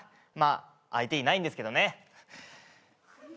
まあ相手いないんですけどね。